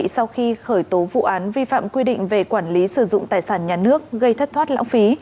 sau khi khởi tố vụ án vi phạm quy định về quản lý sử dụng tài sản nhà nước gây thất thoát lãng phí